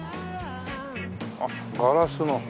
あっガラスの。